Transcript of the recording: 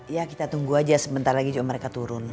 ya kita tunggu aja sebentar lagi juga mereka turun